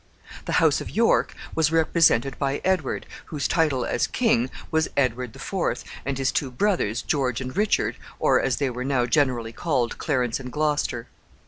The house of York was represented by Edward, whose title, as king, was Edward the Fourth, and his two brothers, George and Richard, or, as they were now generally called, Clarence and Gloucester.